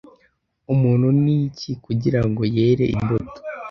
umuntu ni iki kugira ngo yere imbuto